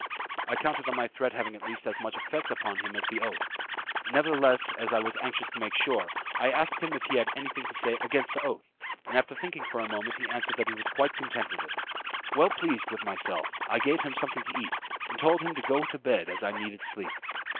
I counted on my threat having at least as much effect upon him as his oath. Nevertheless, as I was anxious to make sure, I asked him if he had anything to say against the oath, and after thinking for a moment he answered that he was quite content with it. Well pleased myself, I gave him something to eat, and told him to go to bed as I needed sleep.